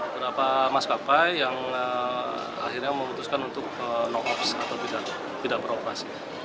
berapa maskapai yang akhirnya memutuskan untuk know offs atau tidak beroperasi